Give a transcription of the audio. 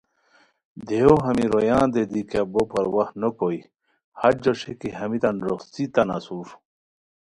دیہو ہمی روایاتان دی کیہ بو پرواہ نو کوئے، ہݰ جوݰے کی ہمیتان روخڅی تان اسور